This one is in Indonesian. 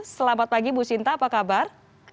selamat pagi ibu sinta apa kabar